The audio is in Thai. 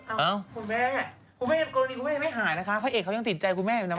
โกรณีคุณแม่ไม่หายนะคะเผ่าเผ่าเจ้าติดใจคุณแม่อยู่บ้าง